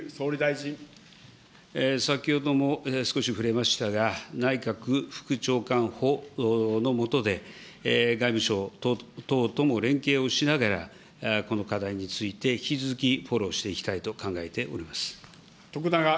先ほども少し触れましたが、内閣副長官補の下で、外務省等とも連携をしながら、この課題について引き続きフォローしていきたいと考えております。